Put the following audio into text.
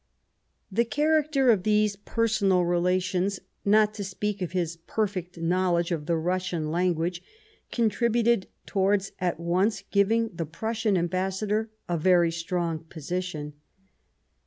The character of these personal relations, not to speak of his perfect knowledge of the Russian language, contributed towards at once giving the Prussian Ambassador a very strong position.